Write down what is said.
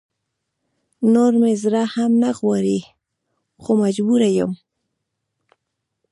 نور مې زړه هم نه غواړي خو مجبوره يم